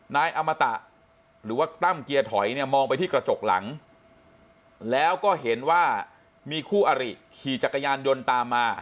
นายอมตะหรือว่าตั้มเกียร์ถอยเนี่ยมองไปที่กระจกหลังแล้วก็เห็นว่ามีคู่อริขี่จักรยานยนต์ตามมา